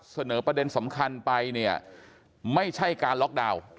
เสนอประเด็นสำคัญไปเนี่ยไม่ใช่การล็อกดาวน์